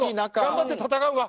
頑張って戦うわ！